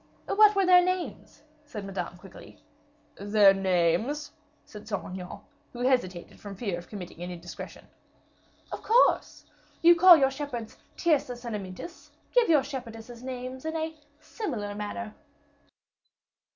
"What were their names?" said Madame, quickly. "Their names?" said Saint Aignan, who hesitated from fear of committing an indiscretion. "Of course; you call your shepherds Tyrcis and Amyntas; give your shepherdesses names in a similar manner."